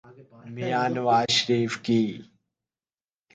میاں نواز شریف کی۔